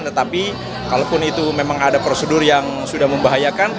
tetapi kalaupun itu memang ada prosedur yang sudah membahayakan